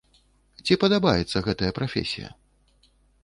Ці падабаецца гэтая прафесія?